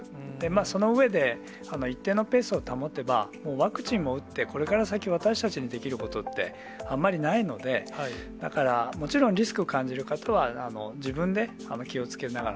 その上で、一定のペースを保てば、ワクチンも打って、これから先、私たちにできることって、あんまりないので、だから、もちろんリスク感じる方は自分で気をつけながら、